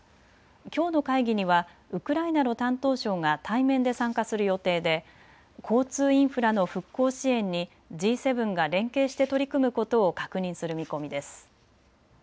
きょうの会議にはウクライナの担当相が対面で参加する予定で交通インフラの復興支援にＧ７が連携して取り組むことを確認する見込みです。